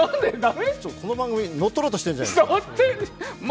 ちょっとこの番組乗っ取ろうとしてるんじゃないですか。